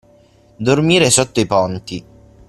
Dormire sotto i ponti.